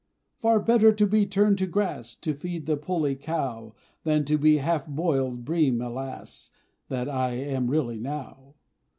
Far better to be turned to grass To feed the poley cow, Than be the half boiled bream, alas, That I am really now!